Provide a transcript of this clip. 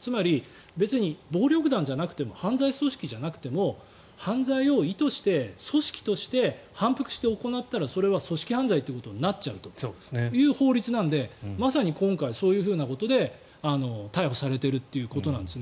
つまり別に暴力団じゃなくても犯罪組織じゃなくても犯罪を意図して組織として反復して行ったらそれは組織犯罪ということになっちゃうという法律なのでまさに今回そういうふうなことで逮捕されているということです。